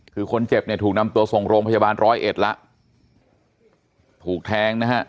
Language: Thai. คือคนเจ็บเนี่ยถูกนำตัวส่งโรงพยาบาลร้อยเอ็ดแล้วถูกแทงนะฮะ